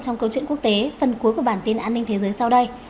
trong câu chuyện quốc tế phần cuối của bản tin an ninh thế giới sau đây